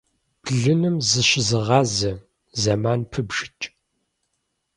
Блыным зыщызыгъазэ, зэман пыбжыкӀ.